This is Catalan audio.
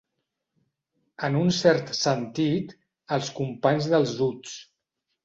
En un cert sentit, els companys dels uts.